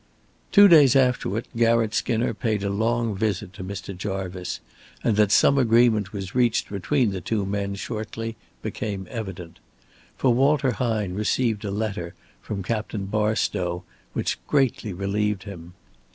Two days afterward Garratt Skinner paid a long visit to Mr. Jarvice, and that some agreement was reached between the two men shortly became evident. For Walter Hine received a letter from Captain Barstow which greatly relieved him.